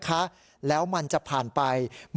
ค้าเป็นผู้ชายชาวเมียนมา